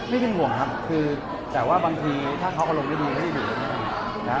ไม่เป็นห่วงครับแต่ว่าบางทีถ้าเขาอารมณ์ได้ดีก็จะอยู่กัน